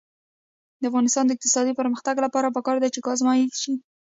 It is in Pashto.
د افغانستان د اقتصادي پرمختګ لپاره پکار ده چې ګاز مایع شي.